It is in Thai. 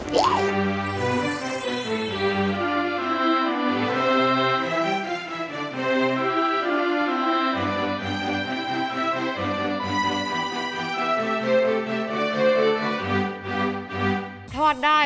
มักให้น้ำออกเลย